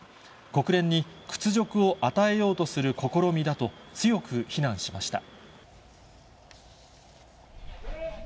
国連に屈辱を与えようとする試みだと、強く非難しました。